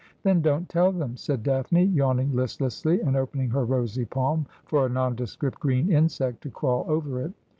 ' Then don't tell them,' said Daphne, yawning listlessly, and opening her rosy palm for a nondescript green insect to crawl over it.